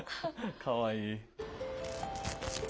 かわいい。